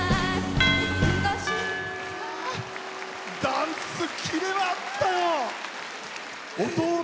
ダンスキレがあったよ！